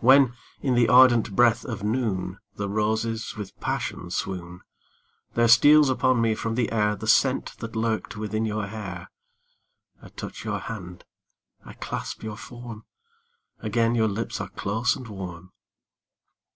When, in the ardent breath of noon, The roses with passion swoon; There steals upon me from the air The scent that lurked within your hair; I touch your hand, I clasp your form Again your lips are close and warm.